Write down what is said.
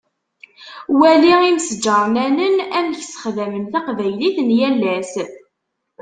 Wali imesǧarnanen amek sexdamen taqbaylit n yal ass.